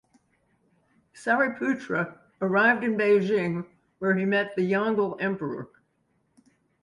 Sariputra arrived in Beijing where he met the Yongle Emperor.